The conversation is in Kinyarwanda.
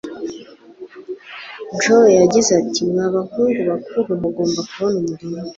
Joe yagize ati Mwa bahungu bakuru mugomba kubona umurima